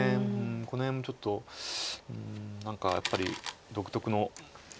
この辺もちょっと何かやっぱり独特のなんですか。